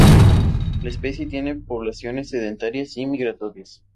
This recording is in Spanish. La especie tiene poblaciones sedentarias y migratorias.